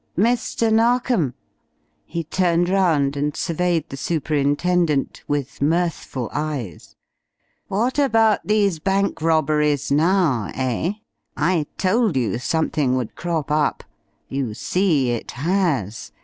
Mr. Narkom," he turned round and surveyed the Superintendent with mirthful eyes, "what about these bank robberies now, eh? I told you something would crop up. You see it has.